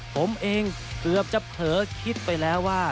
ผมเองเกือบจะเผลอคิดไปแล้วว่า